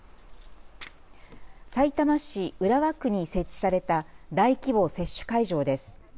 さいたま市浦和区に設置された大規模接種会場です。